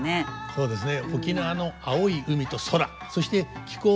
そうですね。